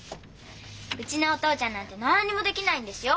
うちのお父ちゃんなんて何にもできないんですよ。